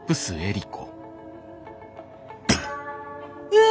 うわ！